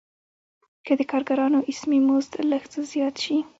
که د کارګرانو اسمي مزد لږ څه زیات شي